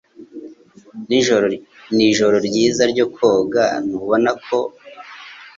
Ni ijoro ryiza ryo koga, ntubona ko?